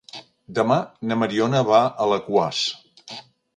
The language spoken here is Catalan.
Demà na Mariona va a Alaquàs.